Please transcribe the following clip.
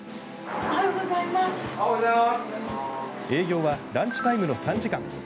営業はランチタイムの３時間。